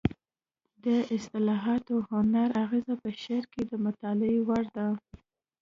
د اصطلاحاتو هنري اغېز په شعر کې د مطالعې وړ دی